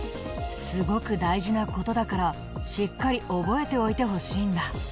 すごく大事な事だからしっかり覚えておいてほしいんだ。